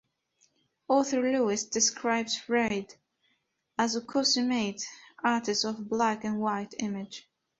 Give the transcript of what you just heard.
Author Lewis describes Reid as a consummate artist of the black and white image.